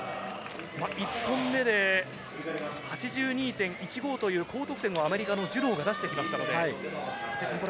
１本目で８２．１５という高得点をアメリカのジュノーが出してきましたので。